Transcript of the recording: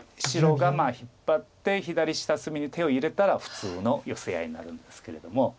白が引っ張って左下隅に手を入れたら普通のヨセ合いになるんですけれども。